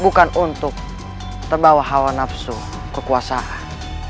bukan untuk terbawa hawa nafsu kekuasaan